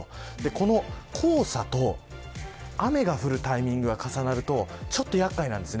この黄砂と雨が降るタイミングか重なると少し厄介です。